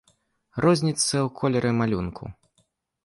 Розніца ў колеры і малюнку.